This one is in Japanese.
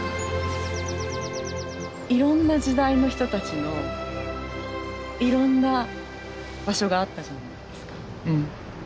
いろんな時代の人たちのいろんな場所があったじゃないですか。